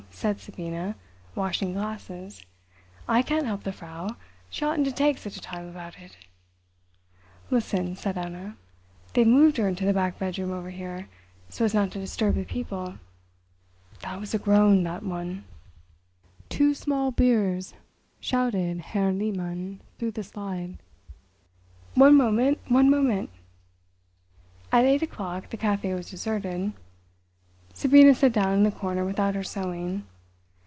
said Sabina, washing glasses. "I can't help the Frau; she oughtn't to take such a time about it." "Listen," said Anna, "they've moved her into the back bedroom above here, so as not to disturb the people. That was a groan—that one!" "Two small beers," shouted Herr Lehmann through the slide. "One moment, one moment." At eight o'clock the café was deserted. Sabina sat down in the corner without her sewing.